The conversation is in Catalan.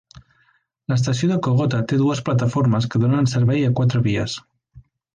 L"estació de Kogota té dues plataformes que donen servei a quatre vies.